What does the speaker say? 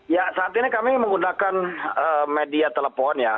ya saat ini kami menggunakan media telepon ya